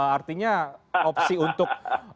artinya opsi untuk